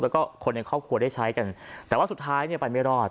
แล้วก็คนในครอบครัวได้ใช้กันแต่ว่าสุดท้ายเนี่ยไปไม่รอด